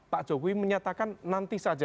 pak jokowi menyatakan nanti saja